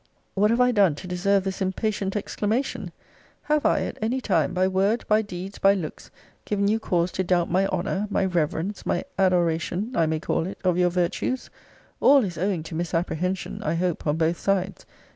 What have I done to deserve this impatient exclamation? Have I, at any time, by word, by deeds, by looks, given you cause to doubt my honour, my reverence, my adoration, I may call it, of your virtues? All is owing to misapprehension, I hope, on both sides.